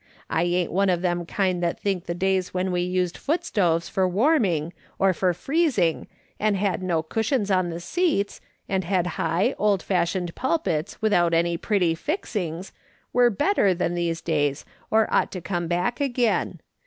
I ain't one of them kind that think the days when we used foot stoves for warming, or for freezing, and had no cushions on the seats, and Imd high, old fashioned pulpits without any pretty fixings, were better than these days or ought to come back again.